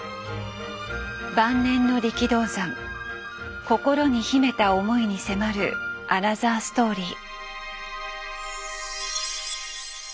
晩年の力道山心に秘めた思いに迫るアナザーストーリー。